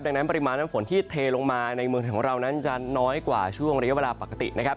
ดังนั้นปริมาณน้ำฝนที่เทลงมาในเมืองของเรานั้นจะน้อยกว่าช่วงระยะเวลาปกตินะครับ